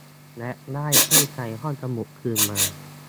และได้ผู้ใช้ห้องสมุดคืนมา